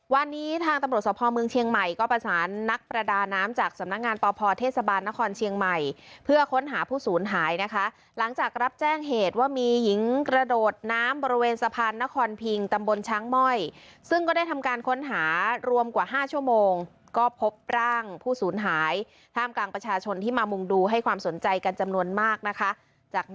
วันนี้ทางตำรวจสภเมืองเชียงใหม่ก็ประสานนักประดาน้ำจากสำนักงานปพเทศบาลนครเชียงใหม่เพื่อค้นหาผู้สูญหายนะคะหลังจากรับแจ้งเหตุว่ามีหญิงกระโดดน้ำบริเวณสะพานนครพิงตำบลช้างม่อยซึ่งก็ได้ทำการค้นหารวมกว่า๕ชั่วโมงก็พบร่างผู้สูญหายท่ามกลางประชาชนที่มามุงดูให้ความสนใจกันจำนวนมากนะคะ